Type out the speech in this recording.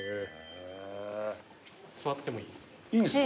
座ってもいいです。